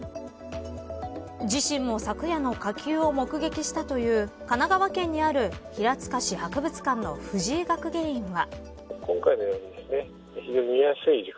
自身も昨夜の火球を目撃したという神奈川県にある平塚市博物館の藤井学芸員は。